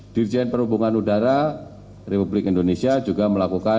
dirjen perhubungan udara republik indonesia juga melakukan